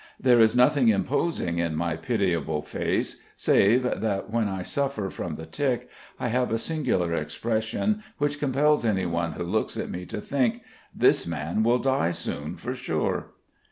There is nothing imposing in my pitiable face, save that when I suffer from the tic, I have a singular expression which compels anyone who looks at me to think: "This man will die soon, for sure."